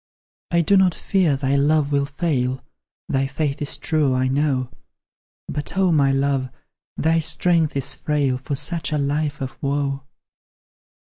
I do not fear thy love will fail; Thy faith is true, I know; But, oh, my love! thy strength is frail For such a life of woe.